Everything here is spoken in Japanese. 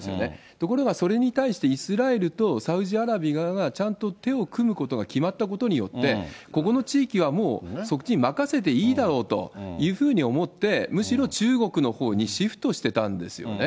ところがそれに対してイスラエルとサウジアラビアがちゃんと手を組むことが決まったことによって、ここの地域はもうそっちに任せていいだろうというふうに思って、むしろ中国のほうにシフトしてたんですよね。